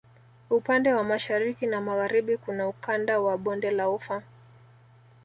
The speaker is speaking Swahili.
Upande wa Mashariki na Magharibi kuna Ukanda wa bonde la Ufa